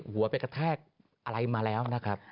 หัวไปกระแทกอะไรมาแล้วนะครับ